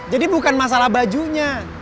jadi bukan masalah bajunya